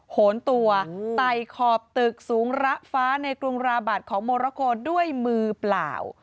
โหนตัวไต่ขอบตึกสูงระฟ้าในกรุงราบัตรของโมราโกด้วยมือเปล่า